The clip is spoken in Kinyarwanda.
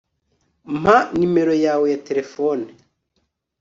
mpa numero yawe ya terefone